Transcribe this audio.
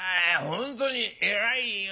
本当に偉いよ。